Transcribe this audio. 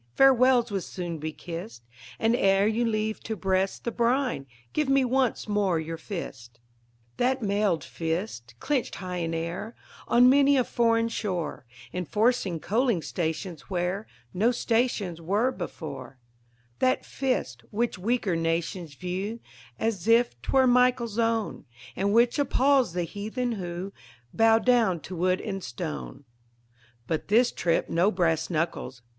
Farewells will soon be kissed; And, ere you leave to breast the brine, Give me once more your fist; That mailed fist, clenched high in air On many a foreign shore, Enforcing coaling stations where No stations were before; That fist, which weaker nations view As if 'twere Michael's own. And which appals the heathen who Bow down to wood and stone. But this trip no brass knuckles.